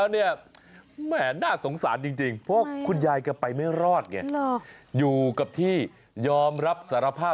เล่นแต่ไฮโล่อย่างเดียวลูกล่ะล้มตาเท่าไหร่นี่ล้มตาเท่าไหร่